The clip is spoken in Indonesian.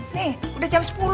nih udah jam sepuluh